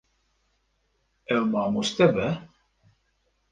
Ew mamoste be.